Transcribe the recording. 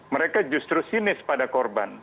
mereka justru sinis pada korban